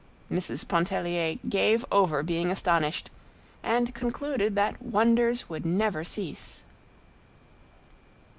Mrs. Pontellier gave over being astonished, and concluded that wonders would never cease.